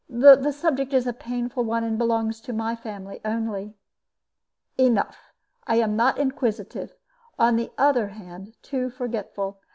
The subject is a painful one, and belongs to my family only." "Enough. I am not inquisitive on the other hand, too forgetful.